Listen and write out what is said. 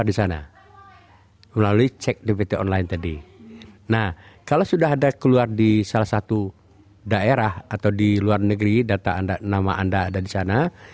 di victoria dan tasmania